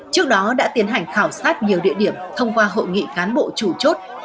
trước đó đã tiến hành khảo sát nhiều địa điểm thông qua hội nghị cán bộ chủ chốt